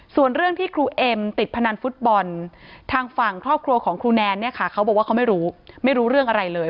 ส่วนเรื่องที่ครูเอ็มติดพนันฟุตบอลทางฝั่งครอบครัวของครูแนนเนี่ยค่ะเขาบอกว่าเขาไม่รู้ไม่รู้เรื่องอะไรเลย